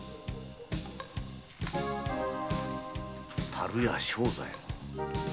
「樽屋庄左衛門」？